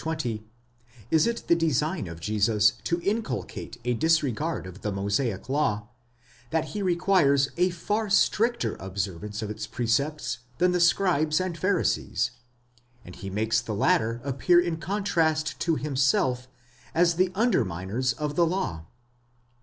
20, is it the design of Jesus to inculcate @ dis regard of the Mosaic law, that he requires a far stricter observance of its precepts than the Scribes and Pharisees, and he makes the latter appear in contrast to himself as the underminers of the law.